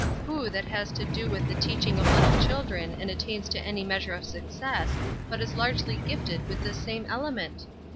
Who that has to do with the teaching of little children and attains to any measure of success but is largely gifted with this same element?